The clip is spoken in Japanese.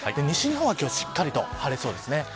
西日本は今日しっかりと晴れそうです。